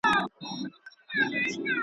غوړه مال کړي ژوند تباه د انسانانو.